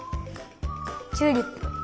チューリップ。